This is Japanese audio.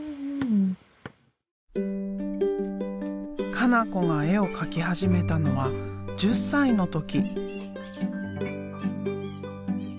加那子が絵を描き始めたのは１０歳の時。